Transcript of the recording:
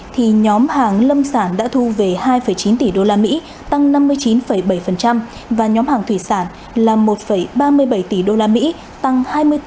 thì nhóm hàng lâm sản đã thu về hai chín tỷ đô la mỹ tăng năm mươi chín bảy và nhóm hàng thủy sản là một ba mươi bảy tỷ đô la mỹ tăng hai mươi tám chín